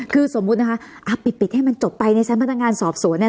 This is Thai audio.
คือสมมุตินะคะปิดให้มันจบไปในชั้นพนักงานสอบสวนเนี่ย